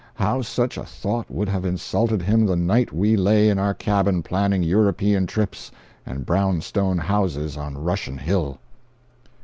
How such a thought would have insulted him the night we lay in our cabin planning European trips and brown stone houses on Russian Hill!